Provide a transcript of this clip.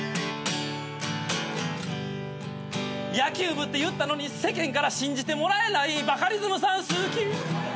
「野球部って言ったのに世間から信じてもらえない」「バカリズムさん好き」